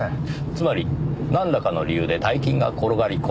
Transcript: つまりなんらかの理由で大金が転がり込んだ。